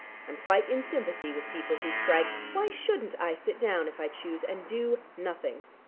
I'm quite in sympathy with people who strike. Why shouldn't I sit down if I choose and do nothing?